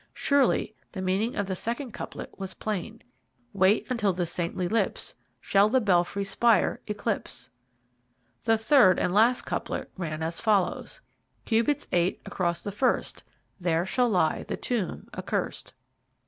Surely the meaning of the second couplet was plain: Wait until the saintly lips Shall the belfry spire eclipse. The third and last couplet ran as follows: Cubits eight across the first There shall lie the tomb accurst.